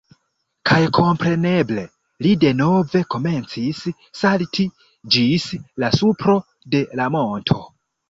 Kaj kompreneble, li denove komencis salti ĝis la supro de la monto.